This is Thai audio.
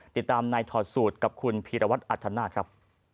ติดตามในถอดสูตรกับคุณพีรวัตรอัธนาคครับ